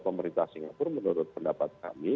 pemerintah singapura menurut pendapat kami